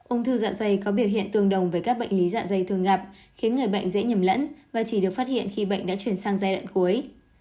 ung thư dạ dây có biểu hiện tương đồng với các bệnh lý dạ dày thường gặp khiến người bệnh dễ nhầm lẫn và chỉ được phát hiện khi bệnh đã chuyển sang giai đoạn cuối